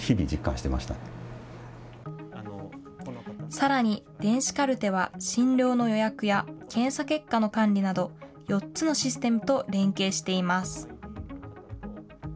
さらに、電子カルテは診療の予約や検査結果の管理など、４つのシステムと連携しています。